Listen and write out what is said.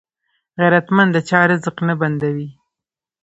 غیرتمند د چا رزق نه بندوي